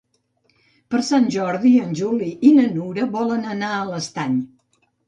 Per Sant Jordi en Juli i na Nura volen anar a l'Estany.